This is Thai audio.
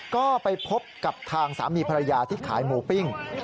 ก็ไปพบกับทางสามีภรรยาที่ขายหมูปิ้ง